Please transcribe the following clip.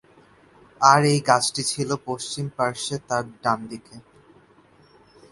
আর এই গাছটি ছিল পশ্চিম পার্শ্বে তাঁর ডানদিকে।